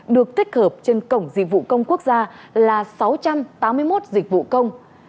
được tích hợp trên cổng dịch vụ công quốc gia là sáu trăm tám mươi một dịch vụ công